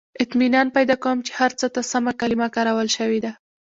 • اطمینان پیدا کوم، چې هر څه ته سمه کلمه کارول شوې ده.